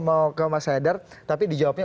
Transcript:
mau ke mas haidar tapi dijawabnya